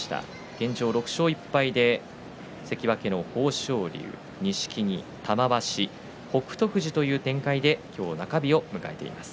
現状、６勝１敗で関脇の豊昇龍と錦木、玉鷲北勝富士という展開で今日の中日を迎えています。